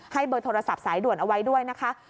ให้เบอร์โทรศัพท์สายด่วนเอาไว้ด้วย